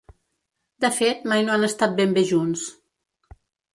De fet, mai no han estat ben bé junts.